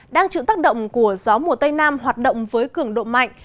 đang chịu tác động của gió mùa tây nam hoạt động với cường độ mạnh